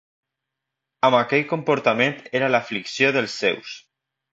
Amb aquell comportament era l'aflicció dels seus.